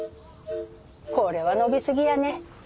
これは伸び過ぎやね。